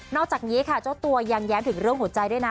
อกจากนี้ค่ะเจ้าตัวยังแย้มถึงเรื่องหัวใจด้วยนะ